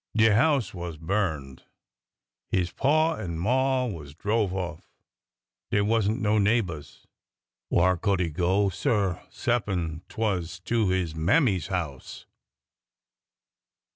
De house was burned. His paw an' maw was drove off. Dey wa'n't no neighbors. Whar could he go, sir, 'cep'n' 't was to his mammy's house